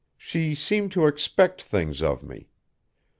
She seemed to expect things of me.